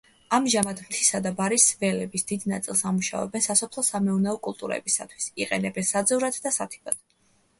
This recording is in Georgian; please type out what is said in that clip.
ამჟამად მთისა და ბარის ველების დიდ ნაწილს ამუშავებენ სასოფლო-სამეურნეო კულტურებისათვის, იყენებენ საძოვრად და სათიბად.